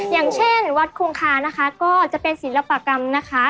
อย่างเช่นวัดคงคานะคะก็จะเป็นศิลปกรรมนะคะ